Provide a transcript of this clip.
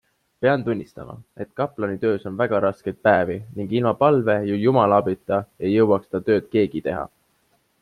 Pean tunnistama, et kaplani töös on väga raskeid päevi ning ilma palve ja Jumala abita ei jõuaks seda tööd keegi teha.